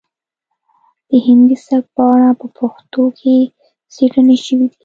د هندي سبک په اړه په پښتو کې څیړنې شوي دي